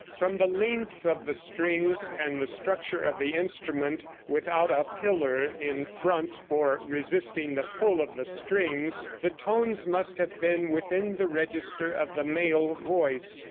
From the length of the strings and the structure of the instrument without a "pillar" in front for resisting the pull of the strings, the tones must have been within the register of the male voice.